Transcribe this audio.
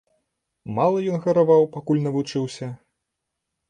Мала ён гараваў, пакуль навучыўся?